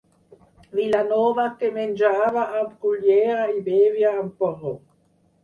Vilanova que menjava amb cullera i bevia amb porró!